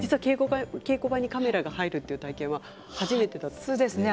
稽古場にカメラが入る体験は初めてだそうですね。